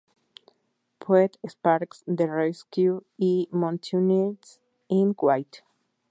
Poet, Sparks the Rescue y Motionless In White.